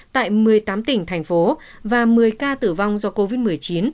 tại một mươi tám tỉnh thành phố và một mươi ca tử vong do covid một mươi chín